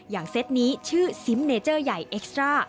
เซตนี้ชื่อซิมเนเจอร์ใหญ่เอ็กซ์ตรา